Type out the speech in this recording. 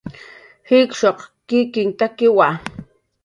jikshuq kikinhtakiwa